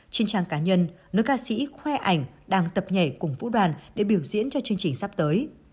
trên trang cá nhân nữ ca sĩ khoe ảnh đang tập nhảy cùng vũ đoàn để biểu diễn cho chương trình sắp tới